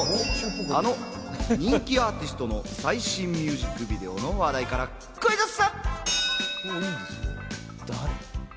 あの人気アーティストの最新ミュージックビデオの話題からクイズッス。